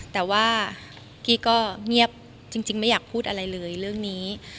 แต่ว่ากี้ก็เงียบจริงไม่อยากพูดอะไรเลยเรื่องนี้